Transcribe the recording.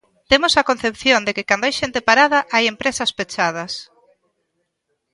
Temos a concepción de que cando hai xente parada hai empresas pechadas.